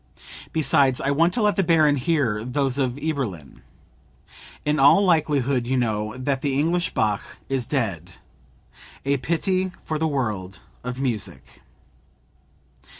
Besides I want to let the baron hear those of Eberlin. In all likelihood you know that the English Bach is dead; a pity for the world of music."